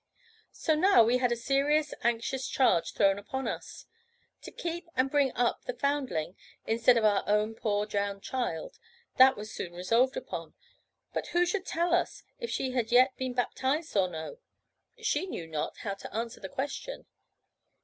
"So now we had a serious, anxious charge thrown upon us. To keep and bring up the foundling, instead of our poor drowned child that was soon resolved upon but who should tell us if she had yet been baptised or no? She knew how not how to answer the question.